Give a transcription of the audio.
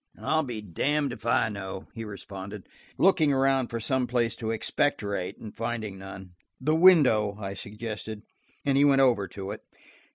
"I'll be damned if I know," he responded, looking around for some place to expectorate and finding none. "The window," I suggested, and he went over to it.